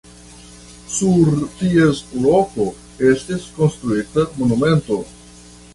Sur ties loko estis konstruita monumento.